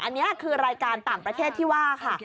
อันนี้คือรายการต่างประเทศที่ว่าค่ะ